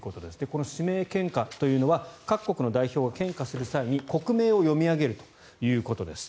この指名献花というのは各国の代表が献花する際に国名を読み上げるということです。